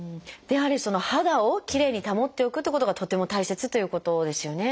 やはり肌をきれいに保っておくってことがとっても大切ということですよね。